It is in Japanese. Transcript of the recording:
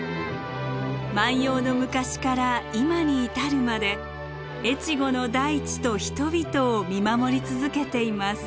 万葉の昔から今に至るまで越後の大地と人々を見守り続けています。